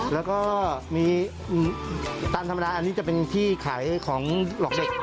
แล้วก็มีตามธรรมดาอันนี้จะเป็นที่ขายของหลอกเด็ก